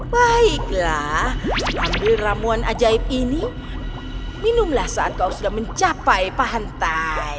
baiklah ambil ramuan ajaib ini minumlah saat kau sudah mencapai pantai